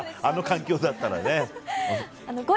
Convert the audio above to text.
あの環境だったらね。